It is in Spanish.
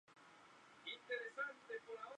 Sus libros han sido traducidos al alemán y al español.